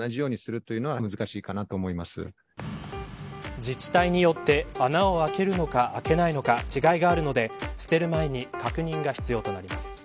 自治体によって穴を開けるのか開けないのか違いがあるので捨てる前に確認が必要となります。